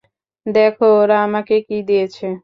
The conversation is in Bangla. দেখো, ওরা আমাকে কী দিয়েছে।